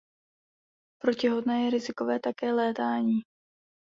Pro těhotné je rizikové také létání.